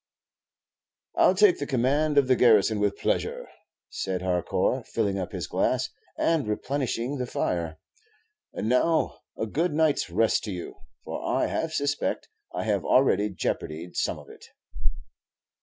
"I 'll take the command of the garrison with pleasure," said Harcourt, filling up his glass, and replenishing the fire. "And now a good night's rest to you, for I half suspect I have already jeopardied some of it."